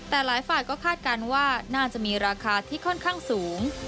แต่หลายฝ่ายก็คาดการณ์ว่าน่าจะมีราคาที่ค่อนข้างสูง